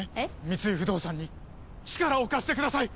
三井不動産に力を貸してください！